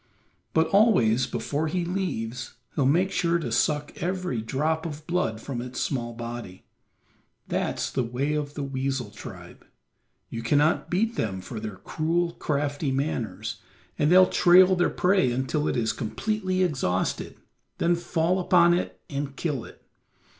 But always before he leaves he'll make sure to suck every drop of blood from its small body. That's the way of the weasel tribe; you cannot beat them for their cruel, crafty manners, and they'll trail their prey until it is completely exhausted, then fall upon it and kill it.